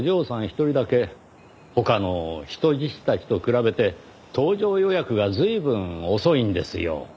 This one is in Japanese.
一人だけ他の人質たちと比べて搭乗予約が随分遅いんですよ。